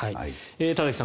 田崎さん